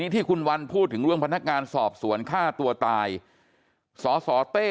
ที่คุณวันพูดถึงเรื่องพนักงานสอบสวนฆ่าตัวตายสสเต้